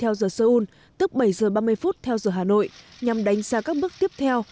ở seoul tức bảy h ba mươi phút theo giờ hà nội nhằm đánh giá các bước tiếp theo